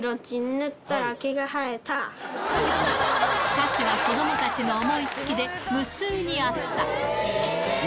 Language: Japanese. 歌詞は子どもたちの思いつきで、無数にあった。